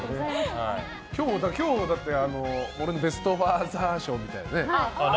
今日俺のベスト・ファーザー賞みたいなね。